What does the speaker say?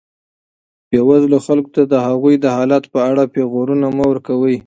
بېوزلو خلکو ته د هغوی د حالت په اړه پېغورونه مه ورکوئ.